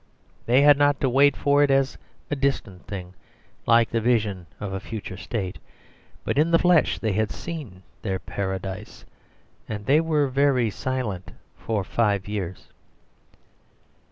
They had not to wait for it as for a distant thing like the vision of a future state; but in the flesh they had seen their Paradise. And they were very silent for five years.